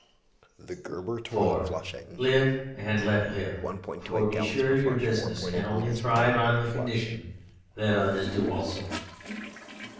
4. Live and let live, for be sure your business can only thrive on the condition that others do also.